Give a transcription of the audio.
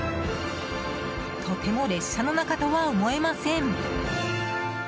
とても列車の中とは思えません。